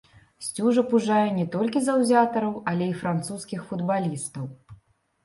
Сцюжа пужае не толькі заўзятараў, але і французскіх футбалістаў.